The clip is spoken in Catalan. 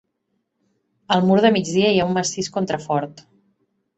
Al mur de migdia hi ha un massís contrafort.